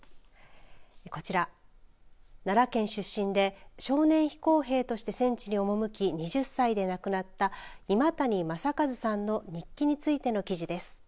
こちら奈良県出身で少年飛行兵として戦地に赴き２０歳で亡くなった今谷正一さんの日記についての記事です。